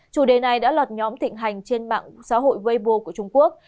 chủ đề này đã lọt nhóm thịnh hành trên mạng xã hội webo của trung quốc